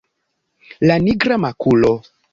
La nigra makulo!